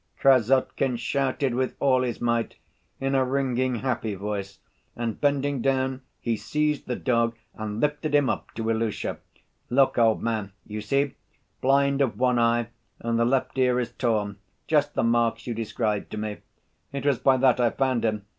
Krassotkin shouted with all his might, in a ringing, happy voice, and bending down he seized the dog and lifted him up to Ilusha. "Look, old man, you see, blind of one eye and the left ear is torn, just the marks you described to me. It was by that I found him.